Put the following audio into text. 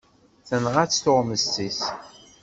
Tenɣa-tt tuɣmest-is.